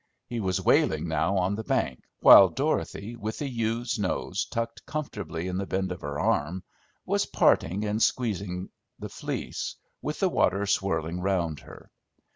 He was wailing now on the bank, while Dorothy, with the ewe's nose tucked comfortably in the bend of her arm, was parting and squeezing the fleece, with the water swirling round her.